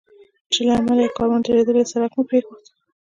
چې له امله یې کاروان درېدلی و، سړک مې پرېښود.